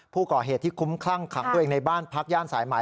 ผู้ก่อเหตุที่คุ้มคลั่งขังตัวเองในบ้านพักย่านสายไหม